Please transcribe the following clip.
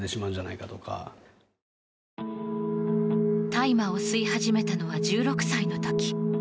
大麻を吸い始めたのは１６歳の時。